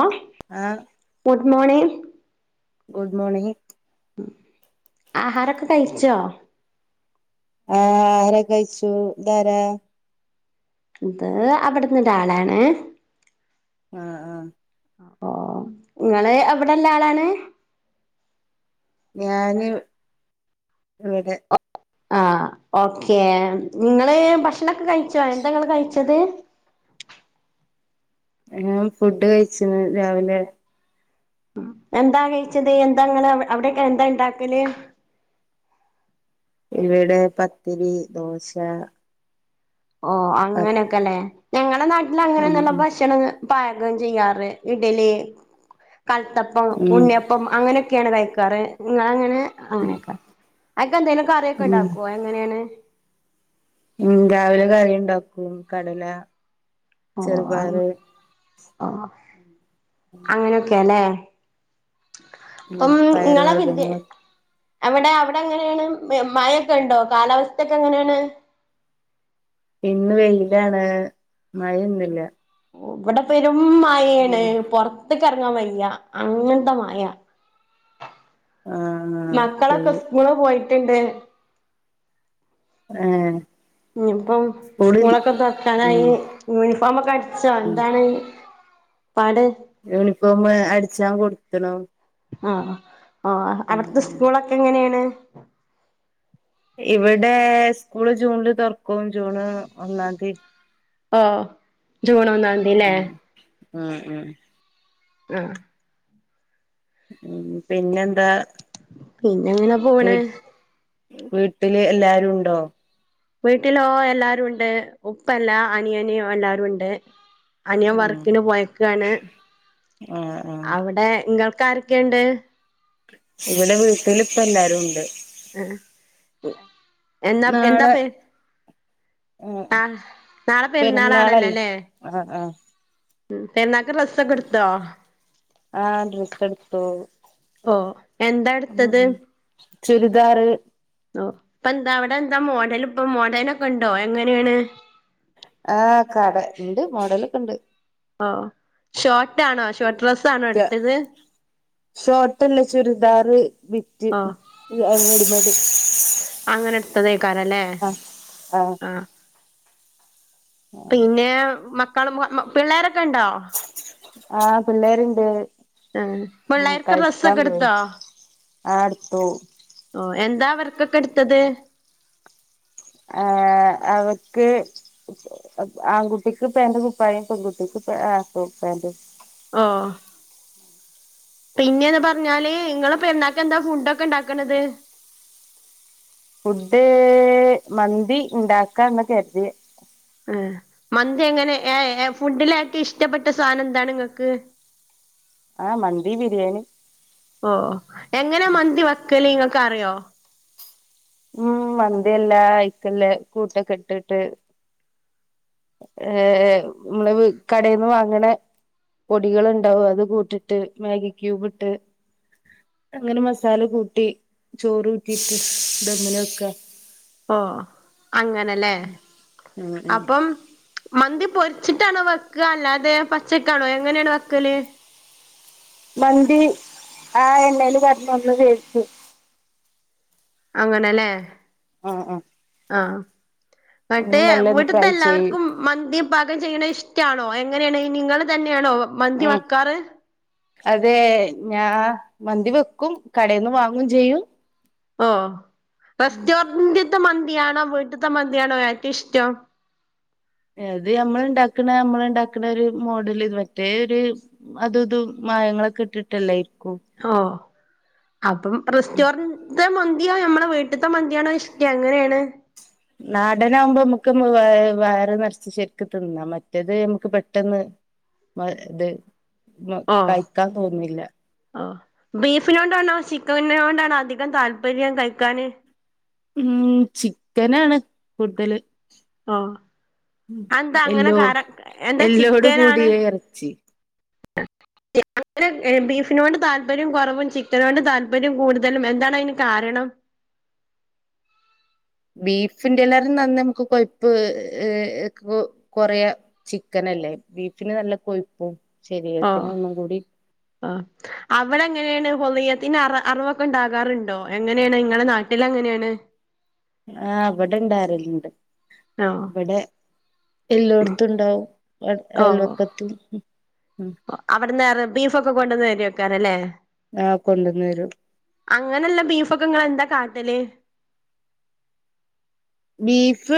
ആഹ് ആഹ് good മോണിങ്‌ good മോണിങ്‌ ഹും ആഹാരൊക്കെ കയിച്ചോ ആഹ് ആഹാരൊക്കെ കഴിച്ചു താരാ ഇത് അവിട്ന്ന് ധാളാണ് ആഹ് ആഹ് ഓഹ് ങ്ങള് അവിടെല്ലാളാണ് ഞാന് വടെ ആഹ് ഓക്കെ ങ്ങള് ഭക്ഷണൊക്കെ കഴിച്ചോ എന്താങ്ങള് കഴിച്ചത് ഞാം ഫുഡ് കഴിച്ച്ണ് രാവിലെ എന്താ കയ്ച്ചത് എന്താങ്ങള് അവ് അവ്ടൊക്കെ എന്താ ണ്ടാക്കല് ഇവിടെ പത്തിരി ദോശ ഓഹ് അങ്ങനൊക്കെ ലെ ഞങ്ങളെ നാട്ടില് ഉം അങ്ങനൊന്നുള്ള ഭഷണം പാകം ചെയ്യാറ് ഇഡ്ലി കൽത്തപ്പം, ഉം ഉണ്ണിയപ്- പ്പം അങ്ങനൊക്കേണ് കയ്ക്കാറ്. ങ്ങളങ്ങനെ അങ്ങനൊക്കെ അയ്ക്കെ ന്തേലും കറിയൊക്കെ ഉം ണ്ടാക്കോ എങ്ങനെണ് ഉം രാവിലെ കറിണ്ടാക്കും കടല ഓഹ് അങ്ങ് ചെറുപയറ് ഓഹ് അങ്ങനൊക്കെ ലെ ഉം പ്പം പയറ് ങ്ങളെ വിദ്യേ വർഗ്ഗങ്ങള് അവിടെ അവിടെ എങ്ങനെണ് മെ മഴൊക്കെണ്ടോ കാലാവസ്ഥൊക്കെ എങ്ങനെണ് പിൻന്ന് വെയിലാണ് മഴെന്നുല്ല ഓഹ് ബടെ പെരും മയേണ് പൊർ ത്ത്ക്കർങ്ങാം വയ്യ അങ്ങൻത്തെ മയ ആഹ് മക്കളൊക്കെ ശരി സ്കൂള് പോയിറ്റ്ണ്ട് ഏഹ് ഞ് പ്പം സ്കൂളിൽ സ്കൂളക്കെ തൊർക്കാനായി ഉം യൂനിഫോമൊക്കെ അട്ച്ചോ ഉം എന്താണ് പാട് യൂണിഫോമ് അട്ചാം കൊട്ത്ത്ണു ആഹ് ഓഹ് അൻക്ക് ഉം സ്കൂളക്കെ എങ്ങനെണ് ഇവിടെ സ്കൂള് ജൂൺല് തൊറ്ക്കും ജൂണ് ഒന്നാന്തി ആഹ് ജൂണ് ഒന്നാ ഉം ഉം ഉം ആഹ് ഉം പിന്നെന്താ പിന്നെ എങ്ങനെ വീ പോണ് വീട്ട്ല് എല്ലാരുണ്ടോ വീട്ടിലോ എല്ലാരുണ്ട് ഉപ്പല്ല അനിയന് എല്ലാരുണ്ട് അനിയൻ ഉം വർക്കിന് പോയേക്കാണ് ആഹ് ആഹ് അവിടെ ഇങ്കൾക്കാരൊക്കെണ്ട് ഇവിടെ വീട്ടില് പ്പല്ലാരുണ്ട് ഏഹ് എന്നാ എന്താ നാളെ പ്പെ ഉം ആഹ് നാളെ പെരുന്നാളല്ലേ പെര്ന്നാളാണല്ലോലെ ആഹ് ആഹ് ഉം പെര്ന്നാക്ക് ഡ്രസ്സക്കെട്ത്തോ ആഹ് ഡ്രെസ്സ്ട്ത്തു ഓ എന്താ ഹ് എടുത്തത് ഹും ചുരിദാറ് ഓഹ് ഇപ്പന്താ അവിടെന്താ മോഡല് പ്പം മോഡേനൊക്കണ്ടോ എങ്ങനേണ് ആഹ് കട ഇണ്ട് മോഡലൊക്കണ്ട് ഓഹ് ഷോട്ടാണോ ഷോട്ട് ഡ്രസ്സാണോ എട്ത്തത് ഷോട്ടല്ല ചുരിദാറ് ബിറ്റ് ഓ ല്ല റെഡിമേഡ് അങ്ങനെ എട്ത്തതയ്ക്കാരല്ലേ ആഹ് ആഹ് പിന്നെ മക്കളും മ്വ മൊ പിള്ളോരക്കണ്ടോ ആഹ് പിള്ളേര്ണ്ട് ആഹ് പ്ള്ളേർക്ക് ഡ്രസ്സക്കെട്ത്തോ ആഹ് ട്ത്തു ഓഹ് എന്താ അവര്ക്കൊക്കെ എട്ത്തത് ആഹ് അവർക്ക് അഗ് ആൺകുട്ടിക്ക് പേന്റും കുപ്പായും പെൺകുട്ടിക്ക് പേ പോ പേന്റ് ആഹ് പിന്നെന്ന് പർഞ്ഞാല് ഇങ്ങള പെര്ന്നാക്കന്താ ഫുഡ്ഡൊക്കെ ണ്ടാക്ക്ണത് ഫുഡ്ഡ് മന്തി ഇണ്ടാക്കാന്ന് കര്തിയെ ഏഹ് മന്തി എങ്ങനെ ഏഹ് ഏഹ് ഫുഡ്ഡില് ഏറ്റു ഇഷ്റ്റപ്പെട്ട സാനംന്താണ് ഇങ്ങക്ക് ആഹ് മന്തി ബിരിയാണി ഓഹ് എങ്ങനെ മന്തി വെക്കല് ങ്ങൾക്ക് അറിയോ ഉം മന്തി എല്ലാ അയ്ക്ക്ല്ലേ കൂട്ടൊക്കെ ഇട്ടിട്ട് ഏ നമ്മള് കടയിൽന്ന് വാങ്ങ്ണെ പൊടികളുണ്ടാവും അത് കൂട്ടിട്ട് മാഗി ക്യൂബ് ഇട്ട് അങ്ങനെ മസാല കൂട്ടി ചോറ് ഊറ്റിയിട്ട് ദമ്മില് വെക്കാ ഓഹ് അങ്ങനെല്ലേ ഉം ഉം അപ്പം മന്തി പൊരിച്ചിട്ടാണോ വെക്ക അല്ലാതെ പച്ചക്കാണോ എങ്ങനെയാണ് വെക്കല് മന്തി ആ എണ്ണേല് കടന്നൊന്ന് വേവിച്ച് അങ്ങനെല്ലേ ആഹ് ആഹ് ആഹ് ന്നട്ടേ മെല്ലെ ഒന്ന് വീട്ട്ത്തെ ഫ്രൈ ചെയ്യും എല്ലാവർക്കും മന്തി പാകം ചെയ്യണത് ഇഷ്ടാണോ എങ്ങനെയാണ് നിങ്ങൾ തന്നെയാണോ മന്തി ഉം വക്കാറ് അതെ ഞാ മന്തി വെക്കും കടയിൽന്ന് വാങ്ങും ചെയ്യും ഓഹ് ഉം റെസ്റ്റോറന്റിത്തെ മന്തിയാണോ വീട്ടത്തെ മന്തിയാണോ ഏറ്റവും ഇഷ്ടം അത് നമ്മൾ ഇണ്ടാക്ണ നമ്മൾ ഇണ്ടാക്കണ ഒരു മോഡല് മറ്റേ ഒരു അതും ഇതും മായങ്ങളൊക്കെ ഇട്ടിട്ടല്ലേയ്ക്കും ഓഹ് അപ്പം ഉം റെസ്റ്റോറന്റ്ത്തെ മന്തിയോ നമ്മളെ വീട്ട- വീട്ടിത്തെ മന്തിയാണോ ഇഷ്ട എങ്ങനെയാണ് നാടനാകുമ്പോ നമക്ക് വ വയറ് നറച്ചു ശരിക്ക് തിന്നാ മറ്റേത് നമുക്ക് പെട്ടെന്ന് ഇത് മ കഴിക്കാൻ തോന്നില്ല ഓഹ് ബീഫിനോണ്ടാണോ ചിക്കനിനെ കൊണ്ടാണോ അധികം താല്പര്യം കഴിക്കാാന് ഉം ചിക്കനാണ് കൂടുതല് ഓ ഉം അതെന്താ അങ്ങനെ എല്ലോ കാര എല്ലോട് കൂടിയ ഇറച്ചി [inaudible] അല്ല ബീഫിനോണ്ട് താല്പര്യം കുറവും ചിക്കനോണ്ട് താല്പര്യം കൂടുതലും എന്താണ് അതിന് കാരണം ബീഫിന്റെല്ലാറെ നന്ന നമുക്ക് കൊഴപ്പ് കൊറിയ ചിക്കനല്ലേ ബീഫിന് നല്ല കൊഴുപ്പും ശരീരത്തിന് ഒന്നും കൂടി ആഹ് അവടെ എങ്ങനെയാണ് ഹൊളിയത്തിന്റെ അറവൊക്കെ ഉണ്ടാകാറുണ്ടോ എങ്ങനെയാണ് ഇങ്ങളെ നാട്ടിൽ എങ്ങനെയാണ് ആഹ് വിടെ ഇണ്ടാകല്ണ്ട് ഓ ഇവിടെ എല്ലോടത്തും ഉണ്ടാവും അയൽവക്കത്തും അവിടെന്ന് ബീഫ ഒക്കെ കൊണ്ടുന്ന് കരി വക്കാറല്ലേ ആ കൊണ്ടൊന്നരും അങ്ങനെള്ള ബീഫൊക്കങ്ങളെ ന്താ കാട്ടല് ബീഫ്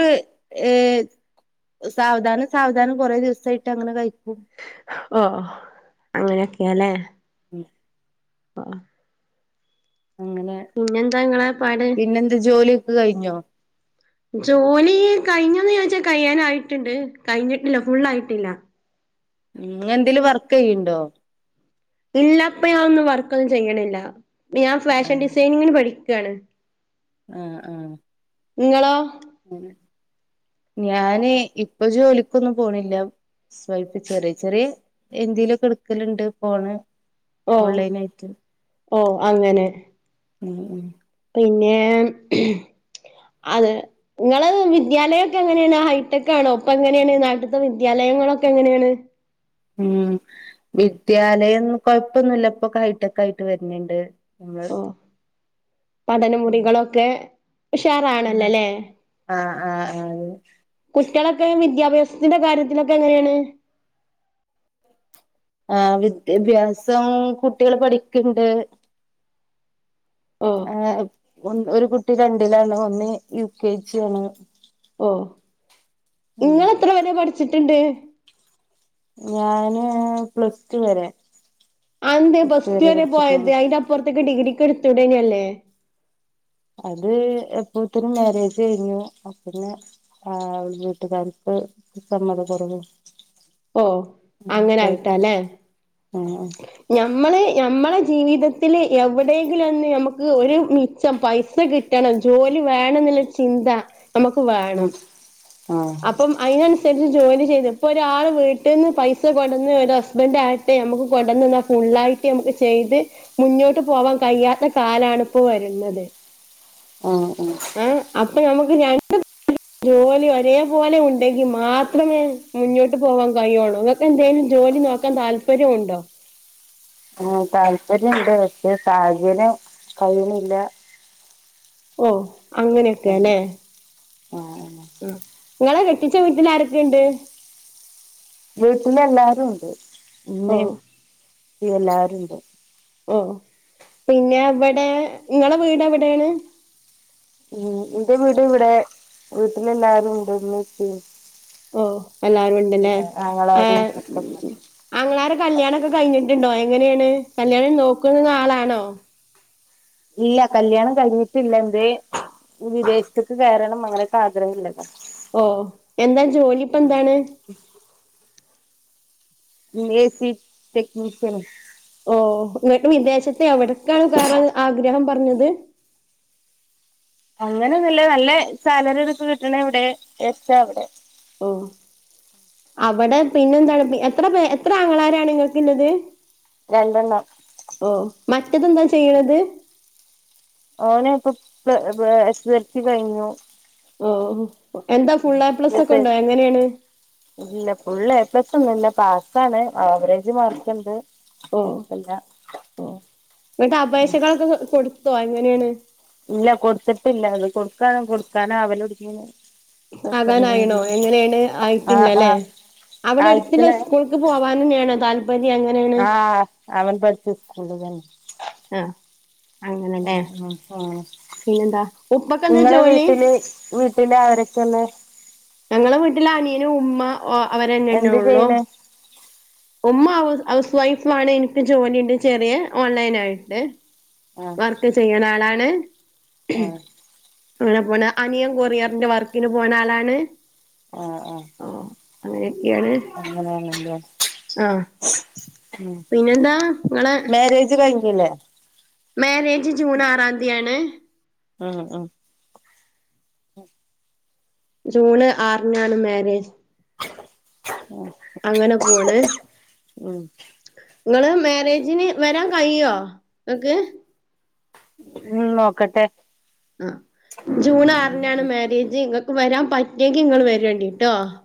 ഏഹ സാവധാനം സാവധാനം കുറേ ദിവസായിട്ട് അങ്ങനെ കഴിക്കും ഓ അങ്ങനൊക്കെയാല്ലേ ഉം ആ അങ്ങനെ പിന്നെന്താങ്ങളെ പാട് പിന്നെന്ത് ജോലിയൊക്കെ കഴിഞ്ഞോ ജോലി കഴിഞ്ഞന്ന് ചോദച്ചാൽ കഴ്യാനായിട്ടുണ്ട് കഴിഞ്ഞിട്ടില്ല ഫുള്ള് ആയിട്ടില്ല ങ്ങളെന്തെലും വർക്ക് യ്യുണ്ടോ ഇല്ലപ്പ ഞാൻൊന്നും വർക്കൊന്നും ചെയ്യണില്ല ഞാൻ ആ ഫാഷൻ ഡിസൈനിങ്ങിന് പഠിക്കയാണ് ആഹ് ആഹ് ഇങ്ങളോ? ഞാന് ഇപ്പ ജോലിക്കൊന്നും പോണില്ല സ്വല്പ്പ ചെറിയ ചെറിയ എന്തേലുക്കെടുക്കലുണ്ട് പോണ് ഓ ഓൺലൈനായിട്ട് ഓ അങ്ങനെ ഉം ഉം പിന്നെ അത് നിങ്ങള് വിദ്യാലയംക്കെ എങ്ങനെയാണ് ഹൈടെക്കാ ണോ പ്പ എങ്ങനെയാണ് നാട്ടിത്തെ വിദ്യാലയങ്ങളൊക്കെ എങ്ങനെയാണ് ഉം വിദ്യാലയംന്ന കൊഴപ്പൊന്നുല്ലപ്പോക്ക ഹൈടെക് ആയിട്ട് വരുന്നിണ്ട് ഓഹ് പഠനമുറികളൊക്കെ ഉഷാറാണല്ലോല്ലേ ആഹ് ആഹ് ആഹ് കുട്ടിളൊക്കെ വിദ്യാഭ്യാസത്തിന്റെ കാര്യത്തിലൊക്കെ എങ്ങനെയാണ് ആഹ് വിദ്യാഭ്യാസം കുട്ടിയൾ പഠിക്കണ്ട് ഓ ആഹ് ഒരു കുട്ടി രണ്ടിലാണ് ഒന്ന് യു കെ ജി ആണ് ഓഹ് ഉം ഇങ്ങെളെത്ര വരെ പഠിച്ചിട്ടുണ്ട് ഞാന് പ്ലസ് റ്റുവരെ അന്തേ പ്ലസ്റ്റ് വരെ പോയത് അയിന്റെ അപ്പൊറത്തേക്ക് ഡിഗ്രിക്ക് എടുത്തുടേനല്ലേ അത് എപ്പോത്തനു മാരേജ് കഴിഞ്ഞു പിന്നെ ആഹ് അവടെ വീട്ടുകാർക്ക് സമ്മതകൊറവ് ഓഹ് അങ്ങനായിട്ടല്ലെ ആഹ് നമ്മള് നമ്മള ജീവിതത്തില് എവിടെയെങ്കിലുംന്ന് നമുക്ക് ഒരു മിച്ചം പൈസ കി ട്ടണം ജോലി വേണം എന്നുള്ള ചിന്ത നമുക്ക് ഉം വേണം ആഹ് അപ്പം.. അയിനനുസരിച്ച് ജോലി ചെയ്ത് ഇപ്പൊ ഒരാൾ വീട്ടിന്ന് പൈസ കൊടന്ന് ഒരു ഹസ്ബൻഡ ആകട്ടെ നമുക്ക്. കൊടന്ന്ന്ന ഫുള്ളായിട്ട് നമുക്ക് ചെയ്ത് മുന്നോട്ട് പോവാൻ കഴിയാത്ത കാലണി ഇപ്പോ വരുന്നത് ആഹ് ആഹ് ഏഹ് അപ്പ നമുക്ക് ഞൻ ജോലി ഒരേ പോലെ ഉണ്ടെങ്കി മാത്രമേ മുന്നോട്ട് പോവാൻ കഴിയുള്ളൂ അ.. ങ്ങക്കെന്തേലും ജോലി നോക്കാൻ താല്പര്യം ഉണ്ടോ? ആഹ് താല്പര്യംണ്ട് പക്ഷെ സാഹചര്യം കഴിയുന്നില്ല ഓഹ് അങ്ങനെക്കെല്ലെ ആഹ് ആഹ് ഇങ്ങളെ കെട്ടിച്ച വീട്ടിൽ ആരൊക്കെയണ്ട് വീട്ടിലെല്ലാരും ഉണ്ട് ഓ ഇമ്മീം ഇപ്പോം എല്ലാരുണ്ട് ഓഹ് പിന്നെ എവിടെ നിങ്ങളെ വീട് എവിടെണ് ഉം എന്റെ വീട് ഇവിടെ വീട്ടിലല്ലാരും ഉണ്ട് ഉമ്മീം പ്പി ഓഹ് എല്ലാരുണ്ട്ല്ലേ ആങ്ങളാരും ആഹ് ഒക്കെ ഉണ്ട്. ആങ്ങളാരെ കല്യാണൊക്കെ കഴിഞ്ഞിട്ടുണ്ടോ എങ്ങനെയാണ് കല്യാണം നോക്കുന്ന ആളാണോ ഇല്ല കല്ല്യാണം കഴിഞ്ഞിട്ടില്ല എന്തയ് വിദേശത്തേക്ക് കയറണം അങ്ങനെയൊക്കെ ആഗ്രഹള്ളത് ഓഹ് എന്താ ജോലിപ്പ എന്താണ് ജോലി എസി ടെക്നിഷ്യൻ ഓഹ് ഇങ്ങക്ക് വിദേശത്ത് എവിടക്കാണ് കേറാൻ ആഗ്രഹം പറഞ്ഞത് അങ്ങനെ ഒന്നുല്ല നല്ല സാലറി ഇതൊക്കെ കിട്ട്ണ എവിടെച്ച അവിടെ ഓ അവിടെ പിന്നെ എന്താണ് എത്ര പേ എത്ര ആങ്ങളാരാണ് ഇങ്ങൾക്ക്ള്ളത് രണ്ടെണ്ണം ഓഹ് മറ്റേതെന്താ ചെയ്യ്ണത് ഓന് ഇപ്പം പ്ല എസ് എസ് എൽ സി കഴിഞ്ഞു ഓ എന്താ ഫുള്ള് എ പ്ലസ് ഒക്കെ ഉണ്ടോ എങ്ങനെയാണ് ഇല്ല ഫുള്ള് എ പ്ലസ് ഒന്നും ഇല്ല പാസ്സാണ് ആവറേജ് മാർക്ക് ഉണ്ട് ഓ കുഴപ്പമില്ല ഓ എന്നിട്ട് ഉം. അപേക്ഷകളൊക്കെ കൊടുത്തോ എങ്ങനെയാണ് ഇല്ല കൊട്ത്തിട്ടില്ല അത് കൊടുക്കാ കൊടുക്കാനാവലൊടങ്ങിണ് ആകാനായിണോ എങ്ങനെയാണ് ആ ആ ആയിട്ടില്ലല്ലെ അവിടെ അടുത്തുള്ള അയക്കണേ സ്കൂൾ [unintelligible] [unintelligible] അങ്ങനെ ആഹ് അവൻ പഠിച്ച സ്കൂൾ തന്നെ ആഹ് അങ്ങനെല്ലേ പിന്നെന്താ ഉപ്പക്ക് [unintelligible] എന്താ നിങ്ങളെ ജോലി വീട്ടില് വീട്ടില് ആരൊക്കെ ഒള്ളെ ഞങ്ങളെ വീട്ടില് അനിയന് ഉമ്മ അവരന്നെന്നെ എന്ത് ഉള്ളൂ ചെയ്യണെ ഉമ്മ ഹൗസ് ഹൗസ് വൈഫ് ആണ് എനിക്ക് ജോലിയുണ്ട് ചെറിയ ഓൺലൈൻ ആയിട്ട് ആഹ് വർക്ക് ചെയ്യണ ആളാണ് ആഹ് അങ്ങനെ പോണ്‌ അനിയൻ കൊറിയറിന്റെ വർക്കിന് പോണെ ആളാണ് ആഹ് ആഹ് ഓ അങ്ങനെയൊക്കെയാണ് അങ്ങനെ ആണല്ലേ ആഹ് ഉം പിന്നെന്താ നിങ്ങളെ മാരേജ് കഴിഞ്ഞില്ലേ മാരേജ് ജൂൺ ആറാന്തിയാണ് ആഹ് ആഹ് ജൂണ് ആറിനാണ് മാരേജ് ഉം അങ്ങനെ പോണ് നിങ്ങള് മാരേജിന് വരാൻ കഴിയോ നിങ്ങക്ക് ഉം നോക്കട്ടെ ജൂൺ ഉം ആറിനാണ് ഉം മാര്യേജ് നിങ്ങൾക്ക് വരാൻ പറ്റിയെങ്കി നിങ്ങൾ [unintelligible]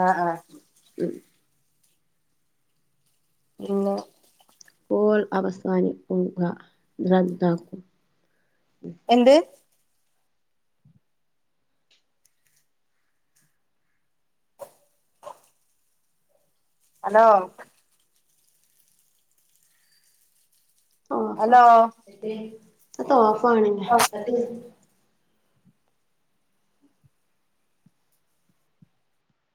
ആഹ് ആഹ് ഉം പിന്നെ പോൾ അവസാനിക്കുക റദ്ദാക്കും എന്ത് ഹലോ ഹലോ എന്തേയ് അത് ഓഫ് ആണ് [unintelligible]